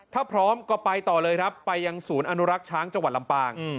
ถ้าพร้อมก็ไปต่อเลยครับไปยังศูนย์อนุรักษ์ช้างจังหวัดลำปาง